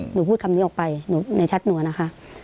หนูพูดคำนี้ออกไปหนูในแชทหนูนะคะ